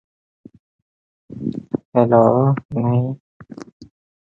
The yard side of the building is finished with iron vitriol yellow lime mortar.